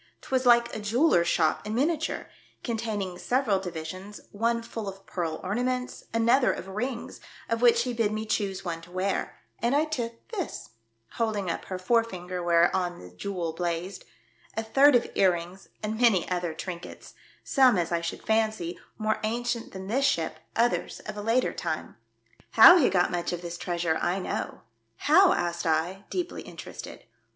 'Twas like a jeweller's shop in miniature, containing several divi sions, one full of pearl ornaments, another of rinos, of which he bid me choose one to wear, and I took this," holding up her forefinger whereon the jewel blazed, "a third of ear rings and many other trinkets ; some, as I should fancy, more ancient than this ship, others of a later time. How he got much of this treasure I know." " How?" asked I, deeply Interested.